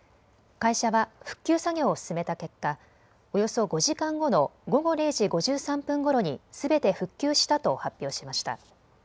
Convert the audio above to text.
会社は復旧作業を進めた結果、およそ５時間後の午後０時５３分ごろにすべて復旧したと発表しました。